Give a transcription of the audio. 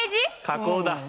加工だ！